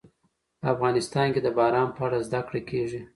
افغانستان کې د باران په اړه زده کړه کېږي.